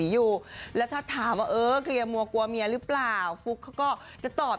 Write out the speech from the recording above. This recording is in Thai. อยู่แล้วถ้าถามว่าเออเคลียร์มัวกลัวเมียหรือเปล่าฟุ๊กเขาก็จะตอบ